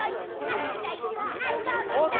「あそびたいっ！！」